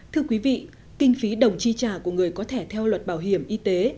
thưa quý vị kinh phí đồng chi trả của người có thẻ theo luật bảo hiểm y tế